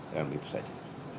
dalam itu saja